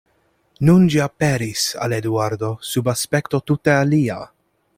Nun ĝi aperis al Eduardo sub aspekto tute alia.